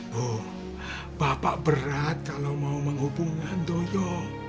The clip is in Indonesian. bu bapak berat kalau mau menghubungi handoyo